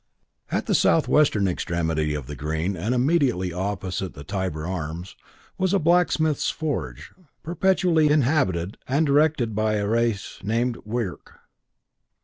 At the southwestern extremity of the Green, and immediately opposite the Tybar Arms, was a blacksmith's forge perpetually inhabited and directed by a race named Wirk.